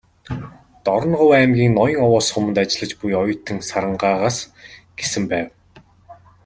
"Дорноговь аймгийн Ноён-Овоо суманд ажиллаж буй оюутан Сарангаа"с гэсэн байв.